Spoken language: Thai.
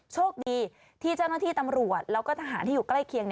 โชคดีที่เจ้าหน้าที่ตำรวจแล้วก็ทหารที่อยู่ใกล้เคียง